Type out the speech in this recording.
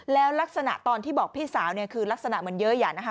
แล้วลักษณะตอนที่บอกพี่สาวเนี่ยคือลักษณะเหมือนเยอะนะคะ